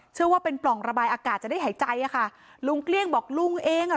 เชื่อว่าเป็นปล่องระบายอากาศจะได้หายใจอ่ะค่ะลุงเกลี้ยงบอกลุงเองอ่ะ